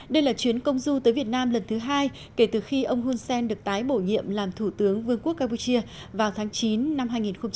đây là chuyến công du tới việt nam lần thứ hai kể từ khi ông hun sen được tái bổ nhiệm làm thủ tướng vương quốc campuchia vào tháng chín năm hai nghìn một mươi ba